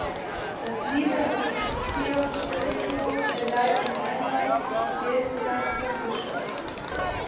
Das „Liber Officium Spirituum“ verleiht ihm einmalig die Befehlsgewalt über Fische.